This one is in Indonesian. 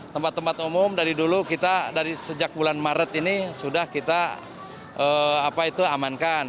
tempat tempat umum dari dulu kita dari sejak bulan maret ini sudah kita amankan